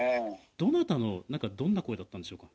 どなたの、なんかどんな声だったんでしょうか。